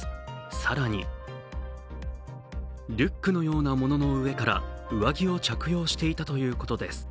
更にリュックのようなものの上から上着を着用していたということです。